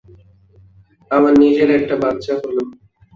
আমার নিজের একটা বাচ্চা হল।